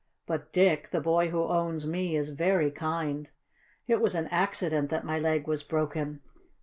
"But Dick, the boy who owns me, is very kind. It was an accident that my leg was broken.